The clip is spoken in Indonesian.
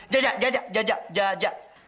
jajak jajak jajak jajak